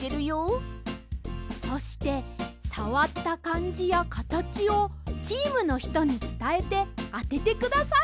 そしてさわったかんじやかたちをチームのひとにつたえてあててください！